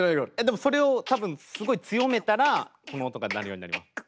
でもそれをたぶんすごい強めたらこの音が鳴るようになります。